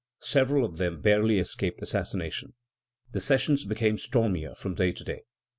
Several of them barely escaped assassination. The sessions became stormier from day to day.